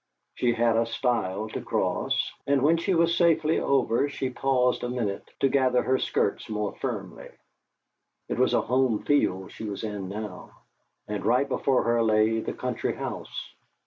She had a stile to cross, and when she was safely over she paused a minute to gather her skirts more firmly. It was a home field she was in now, and right before her lay the country house.